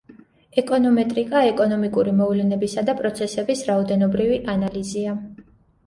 ეკონომეტრიკა ეკონომიკური მოვლენებისა და პროცესების რაოდენობრივი ანალიზია.